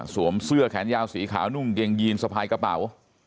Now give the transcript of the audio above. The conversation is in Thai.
เสื้อแขนยาวสีขาวนุ่งเกงยีนสะพายกระเป๋า